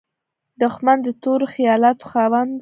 دښمن د تورو خیالاتو خاوند وي